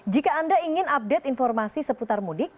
jika anda ingin update informasi seputar mudik